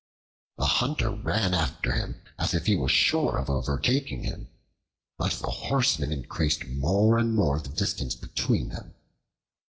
The Hunter ran after him, as if he was sure of overtaking him, but the Horseman increased more and more the distance between them.